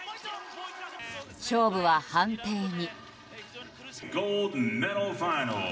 勝負は判定に。